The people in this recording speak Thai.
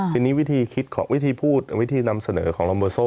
ทีนี้วิธีคิดของวิธีพูดวิธีนำเสนอของลอมโมโซ